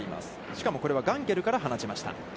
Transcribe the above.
しかもこれはガンケルから放ちました。